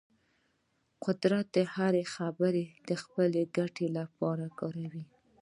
قدرت هره خبره د خپلې ګټې لپاره کاروي.